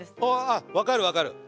あ分かる分かる。